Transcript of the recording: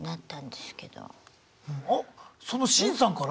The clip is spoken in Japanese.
おっそのシンさんから？